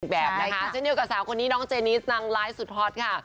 แบบนะคะเช่นเดียวกับสาวคนนี้น้องเจนิสนางไลฟ์สุดฮอตค่ะ